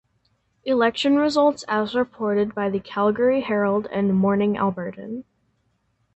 Election results as reported by the "Calgary Herald" and "Morning Albertan".